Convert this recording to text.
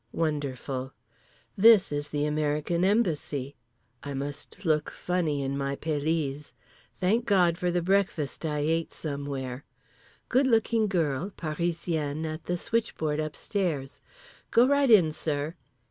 Wonderful. This is the American embassy. I must look funny in my pelisse. Thank God for the breakfast I ate somewhere … good looking girl, Parisienne, at the switch board upstairs. "Go right in, sir."